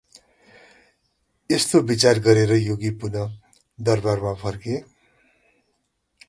यस्तो विचार गरेर योगी पुन: दरबारमा फर्के ।